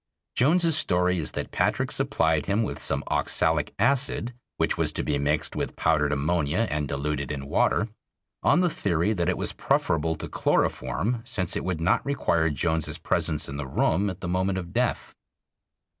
Jones's story is that Patrick supplied him with some oxalic acid which was to be mixed with powdered ammonia and diluted in water, on the theory that it was preferable to chloroform since it would not require Jones's presence in the room at the moment of death.